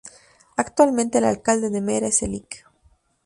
Actualmente el Alcalde de Mera es el Lic.